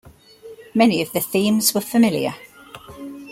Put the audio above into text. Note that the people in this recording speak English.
Many of the themes were familiar.